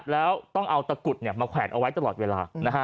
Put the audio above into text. แล้วต้องเอาตะกุดมาแขวนเอาไว้ตลอดเวลา